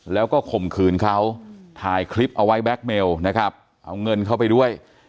แล้วก็ข่มขืนเขาถ่ายคลิปเอาไว้แก๊กเมลนะครับเอาเงินเข้าไปด้วย